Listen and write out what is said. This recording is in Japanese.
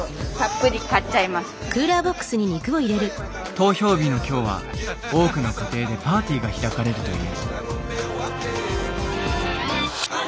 投票日の今日は多くの家庭でパーティーが開かれるという。